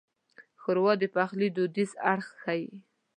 ښوروا د پخلي دودیز اړخ ښيي.